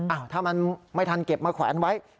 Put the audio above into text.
อ้าวถ้ามันไม่ทันเก็บมาแขวนไว้